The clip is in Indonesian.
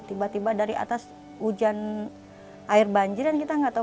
tiba tiba dari atas hujan air banjir dan kita nggak tahu